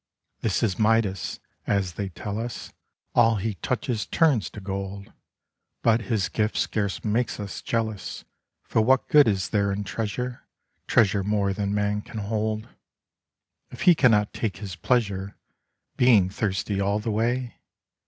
This is Midas : as they tell us, All he touches turns to gold, But his gift scarce makes us jealous ; For what good is there in treasure. Treasure more than man can hold. If he cannot take his pleasure, Being thirsty all the way